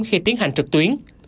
khi tiến hành trực tiếp